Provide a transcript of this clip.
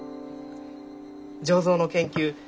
醸造の研究